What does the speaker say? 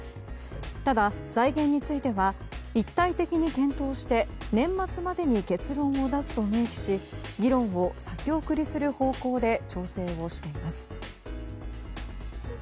ただ財源については一体的に検討して年末までに結論を出すと明記し議論を先送りする方向で調整しています。